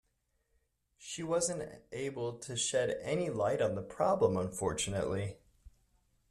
She wasn’t able to shed any light on the problem, unfortunately.